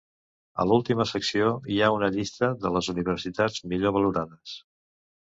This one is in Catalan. A l'última secció hi ha una llista de les universitats millor valorades.